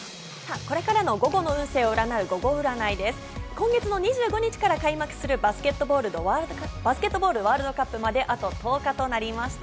今月２５日から開幕するバスケットボールのワールドカップまであと１０日となりました。